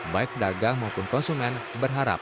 baik dagang maupun konsumen berharap